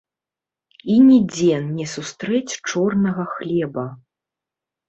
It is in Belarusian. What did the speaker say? І нідзе не сустрэць чорнага хлеба.